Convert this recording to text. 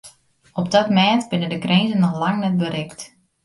Op dat mêd binne de grinzen noch lang net berikt.